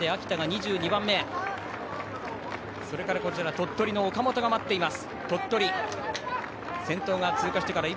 鳥取の岡本が待っています。